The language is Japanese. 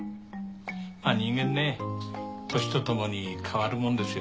まあ人間ね年とともに変わるもんですよ。